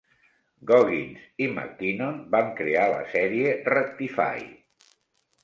Goggins i McKinnon van crear la sèrie "Rectify".